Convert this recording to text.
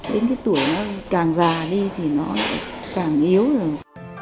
đến cái tuổi nó càng già đi thì nó càng yếu rồi